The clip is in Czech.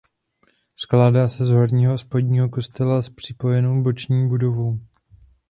Skládá se z horního a spodního kostela s připojenou boční budovou.